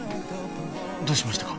どうしましたか？